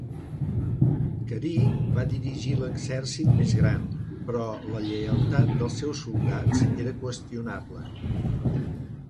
Carí va dirigir l'exèrcit més gran, però la lleialtat dels seus soldats era qüestionable.